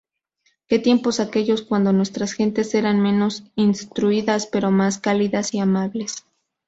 Que tiempos aquellos cuando nuestras gentes eran menos instruidas pero más cálidas y amables.